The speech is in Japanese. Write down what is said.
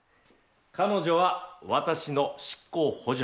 彼女は私の執行補助者です。